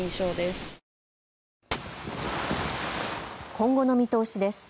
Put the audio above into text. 今後の見通しです。